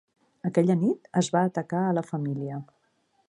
Aquella nit, es va atacar a la família.